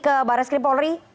ke barai skrim polri